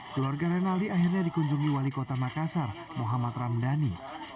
keluarga renaldi akhirnya dikunjungi wali kota makassar muhammad ramdhani